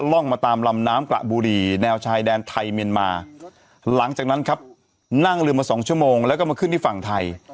ร่องมาตามลำน้ำกระบุรีแนวชายแดนไทยเมียนมาหลังจากนั้นครับนั่งลืมมาสองชั่วโมงแล้วก็มาขึ้นที่ฝั่งไทย